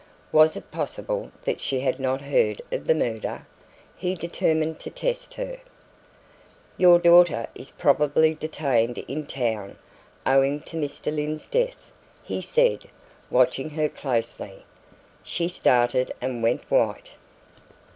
Was it possible that she had not heard of the murder? He determined to test her. "Your daughter is probably detained in town owing to Mr. Lyne's death," he said, watching her closely. She started and went white.